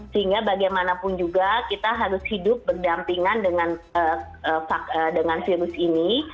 sehingga bagaimanapun juga kita harus hidup berdampingan dengan virus ini